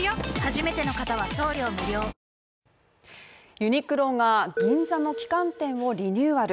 ユニクロが銀座の旗艦店をリニューアル。